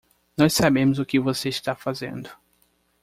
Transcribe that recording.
Nós sabemos o que você está fazendo.